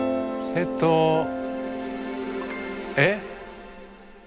えとえっ？